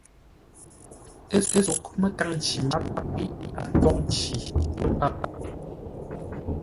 Ə́ sóghʼ məkâŋ nci máp ghíʼ a tóghʼ nci lə́ páp.